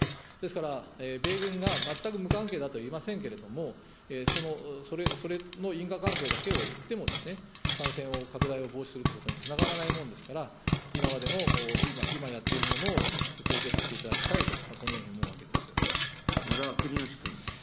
ですから、米軍が全く無関係だとは言いませんけれども、それの因果関係だけをいっても、感染を拡大を防止するということにつながらないもんですから、今までの、今やっているものを続けさせていただきたいと、このように思うわ野田国義君。